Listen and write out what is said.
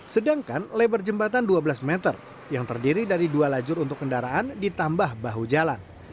sedangkan lebar jembatan dua belas meter yang terdiri dari dua lajur untuk kendaraan ditambah bahu jalan